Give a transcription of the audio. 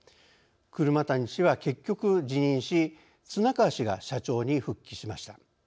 車谷氏は結局辞任し綱川氏が社長に復帰しました。